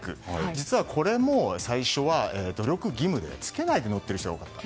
実はこれも、最初は努力義務で着けないで乗っている人が多かった。